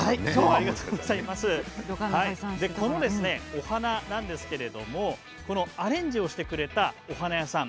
このお花なんですがアレンジをしてくれたお花屋さん